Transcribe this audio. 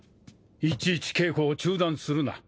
いちいち稽古を中断するな。